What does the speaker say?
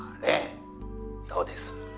どうです？」